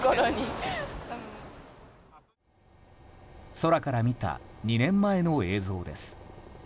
空から見た２年前の映像です。